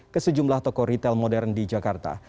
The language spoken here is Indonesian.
ke sejumlah toko retail modern di jakarta